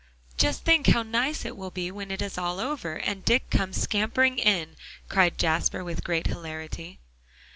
"Just think how nice it will be when it is all over, and Dick comes scampering in," cried Jasper, with great hilarity.